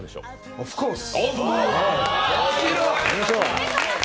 オフコース！